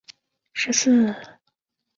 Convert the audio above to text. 班戈毛茛为毛茛科毛茛属下的一个种。